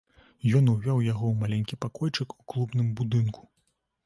Ён увёў яго ў маленькі пакойчык у клубным будынку.